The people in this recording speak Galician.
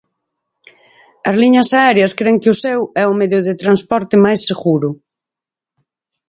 As liñas aéreas cren que o seu é o medio de transporte máis seguro.